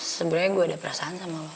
sebenarnya gue ada perasaan sama lo